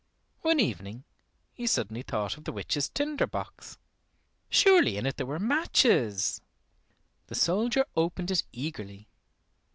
One evening he suddenly thought of the witch's tinder box. Surely in it there were matches. The soldier opened it eagerly.